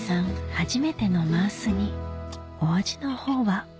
初めてのマース煮お味のほうは？